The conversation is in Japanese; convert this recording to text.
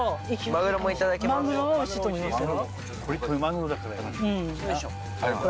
マグロもおいしいと思いますよ。